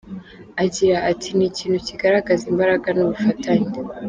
Agira ati “Ni ikintu kigaragaza imbaraga n’ubufatanye.